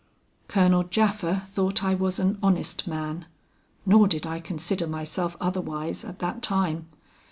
"Colonel Japha thought I was an honest man, nor did I consider myself otherwise at that time.